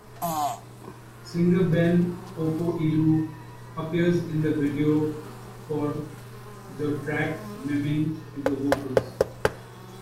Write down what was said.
Singer Ben Ofoedu appears in the video for the track miming to the vocals.